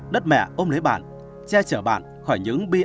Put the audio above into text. đất mẹ ôm lấy bạn che chở bạn khỏi những bi